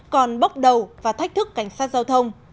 còn bóc đầu và thách thức cảnh sát giao thông